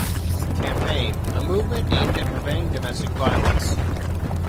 Campaign, a movement aimed at preventing domestic violence.